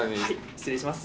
失礼します。